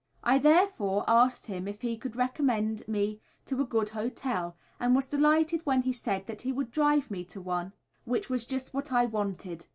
I therefore asked him if he could recommend me to a good hotel, and was delighted when he said that he would drive me to one, which was just what I wanted.